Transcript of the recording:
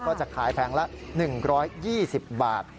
จะขายแผงละ๑๒๐บาท